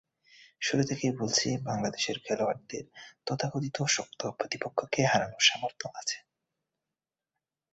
শুরু থেকেই বলছি, বাংলাদেশের খেলোয়াড়দের তথাকথিত শক্ত প্রতিপক্ষকে হারানোর সামর্থ্য আছে।